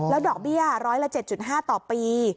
ดอกเบี้ยร้อยละ๗๕ต่อปี